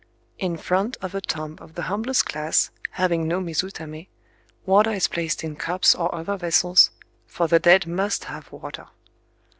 In front of a tomb of the humblest class, having no mizutamé, water is placed in cups or other vessels,—for the dead must have water.